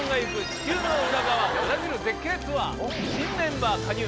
地球の裏側ブラジル絶景ツアー、新メンバー加入！